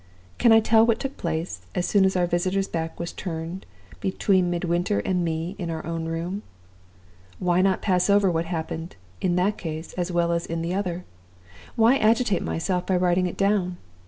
Can I tell what took place, as soon as our visitor's back was turned, between Midwinter and me in our own room? Why not pass over what happened, in that case as well as in the other? Why agitate myself by writing it down?